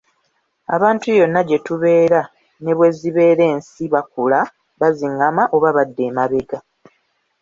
Abantu yonna gye tubeera ne bwe zibeera ensi bakula, bazingama oba badda emabega.